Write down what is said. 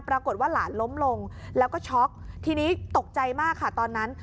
ปรากฏว่าหลานล้มลงแล้วก็ช็อกทีนี้ตกใจมากค่ะตอนนั้น